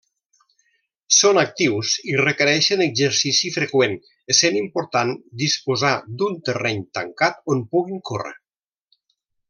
Són actius i requereixen exercici freqüent, essent important disposar d'un terreny tancat on puguin córrer.